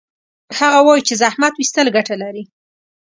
هغه وایي چې زحمت ویستل ګټه لري